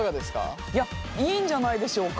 いやいいんじゃないでしょうか。